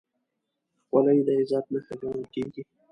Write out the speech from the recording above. خولۍ د عزت نښه ګڼل کېږي.